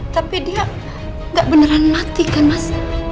tapi dia nggak beneran mati kan mas